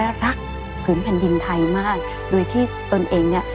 ซาบหรือว่าภิการสละเชิดของเรา